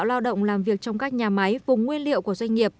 lao động làm việc trong các nhà máy vùng nguyên liệu của doanh nghiệp